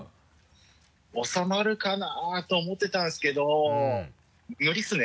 収まるかなと思ってたんですけど無理ですね。